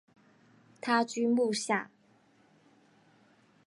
他居墓下。